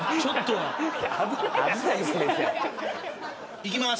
いきます。